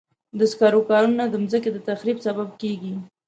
د سکرو کانونه د مځکې د تخریب سبب کېږي.